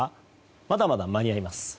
まだまだ間に合います。